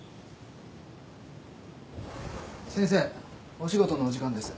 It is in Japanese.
お仕事のお時間です。